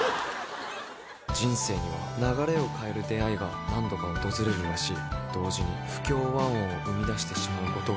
「人生には流れを変える出会いが何度か訪れるらしい」「同時に不協和音を生みだしてしまうことがある」